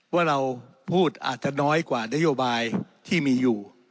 ว่าเราพูดอาจจะน้อยกว่านโยบายที่มีอยู่